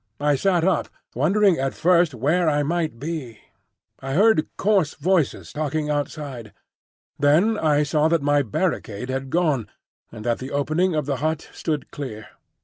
I sat up, wondering at first where I might be. I heard coarse voices talking outside. Then I saw that my barricade had gone, and that the opening of the hut stood clear.